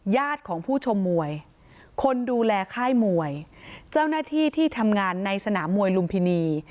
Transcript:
ญาติของผู้ชมมวยคนดูแลค่ายมวยเจ้าหน้าที่ที่ทำงานในสนามมวยลุมพินี